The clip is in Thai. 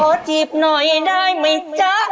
โคจิบหน่อยได้มั้ยจ๊ะ